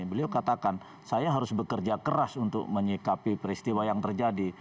beliau katakan saya harus bekerja keras untuk menyikapi peristiwa yang terjadi